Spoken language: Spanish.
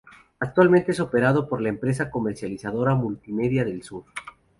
Actualmente es operado por la empresa Comercializadora Multimedia del Sur.